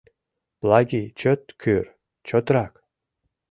Плагий, чот кӱр, чотрак!